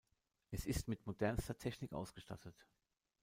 Es ist mit modernster Technik ausgestattet.